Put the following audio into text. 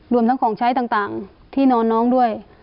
รวมทั้งของใช้ต่างที่นอนน้องด้วย